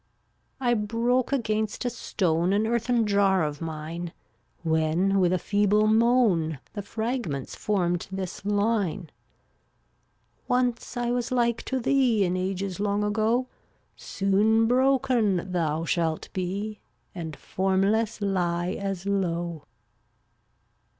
395 I broke against a stone An earthen jar of mine, When with a feeble moan The fragments formed this line: "Once I was like to thee, In ages long ago; Soon broken thou shalt be, And formless lie as low."